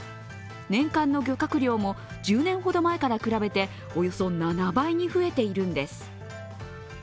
年間の漁獲量も１０年ほど前から比べておよそ７倍に増えているんです。